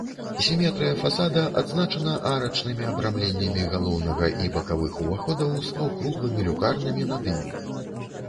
Сіметрыя фасада адзначана арачнымі абрамленнямі галоўнага і бакавых уваходаў з паўкруглымі люкарнамі над імі.